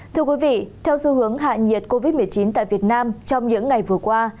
thưa quý vị theo xu hướng hạ nhiệt covid một mươi chín tại việt nam trong những ngày vừa qua